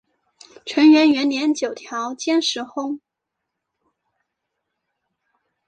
承元元年九条兼实薨。